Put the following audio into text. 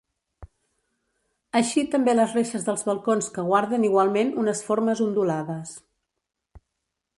Així també les reixes dels balcons que guarden igualment unes formes ondulades.